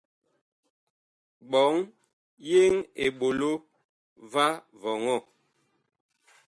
Ɓɔŋ yeŋ eɓolo va vɔŋɔ.